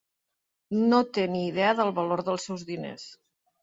No té ni idea del valor dels diners.